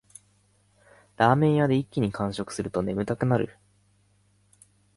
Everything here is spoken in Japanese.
ラーメン屋で一気に完食すると眠たくなる